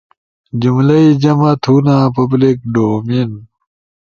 جملئی جمع تھونا، پبلک ڈومین